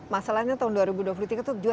masalahnya tahun dua ribu dua puluh tiga itu